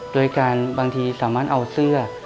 โดยการบางทีสามารถเอาเสื้อ